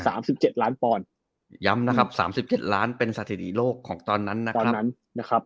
สิบเจ็ดล้านปอนด์ย้ำนะครับสามสิบเจ็ดล้านเป็นสถิติโลกของตอนนั้นนะครับตอนนั้นนะครับ